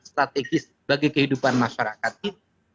strategis bagi kehidupan masyarakat kita